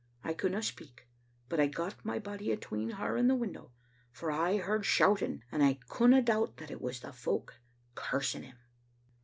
I couldna speak, but I got my body atween her and the window, for I heard shout ing, and I couldna doubt that it was the folk cursing him.